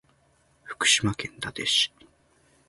福島県伊達市